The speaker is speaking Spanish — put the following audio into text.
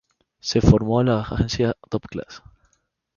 Se formó en la agencia Top Class.